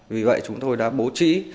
vì vậy chúng tôi đã bố trí